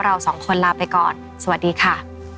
เราสองคนลาไปก่อนสวัสดีค่ะ